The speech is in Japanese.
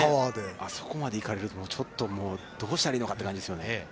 あそこまで行かれると、ちょっと、どうしたらいいのかという感じですよね。